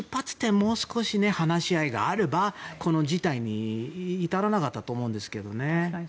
もう少し話し合いがあればこの事態に至らなかったと思うんですけどね。